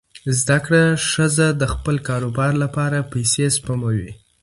زده کړه ښځه د خپل کاروبار لپاره پیسې سپموي.